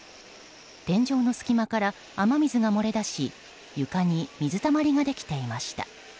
天井の隙間から雨水が漏れ出し床に水たまりができていました。